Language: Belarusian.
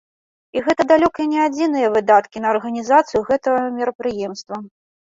І гэта далёка не адзіныя выдаткі на арганізацыю гэтага мерапрыемства.